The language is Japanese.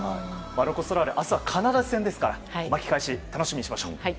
ロコ・ソラーレ明日はカナダ戦ですから巻き返し、楽しみにしましょう。